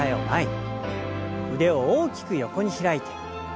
腕を大きく横に開いて。